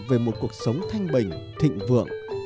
về một cuộc sống thanh bình thịnh vượng